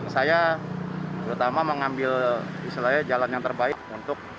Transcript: saya terutama mengambil istilahnya jalan yang terbaik untuk